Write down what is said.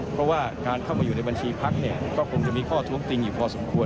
เพราะว่าการเข้ามาอยู่ในบัญชีพักเนี่ยก็คงจะมีข้อท้วงติงอยู่พอสมควร